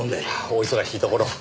お忙しいところを。